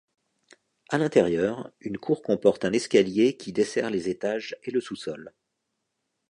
À l'intérieur, une cour comporte un escalier qui dessert les étages et le sous-sol.